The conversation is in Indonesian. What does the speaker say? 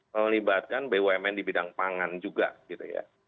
melibatkan bumn di bidang pangan juga gitu ya